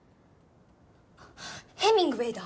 あっヘミングウェイだ。